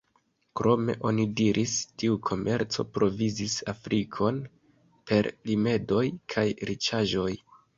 Krome, oni diris, tiu komerco provizis Afrikon per rimedoj kaj riĉaĵoj.